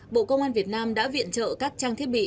bộ công an việt nam đã viện trợ các trang thiết bị